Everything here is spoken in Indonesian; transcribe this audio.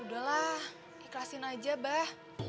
udahlah ikhlasin aja baah